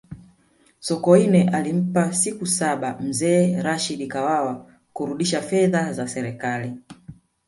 sokoine alimpa siku saba mzee rashidi kawawa kurudisha fedha za serikali